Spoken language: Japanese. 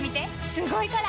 すごいから！